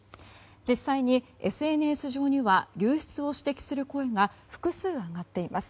実際にＳＮＳ上には流出を指摘する声が複数上がっています。